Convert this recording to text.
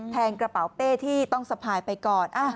กระเป๋าเป้ที่ต้องสะพายไปก่อน